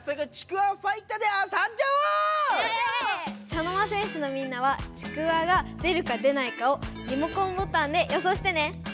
茶の間戦士のみんなはちくわが出るか出ないかをリモコンボタンで予想してね！